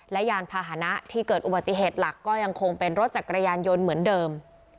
และยานพาหนะที่เกิดอุบัติเหตุหลักก็ยังคงเป็นรถจักรยานยนต์เหมือนเดิม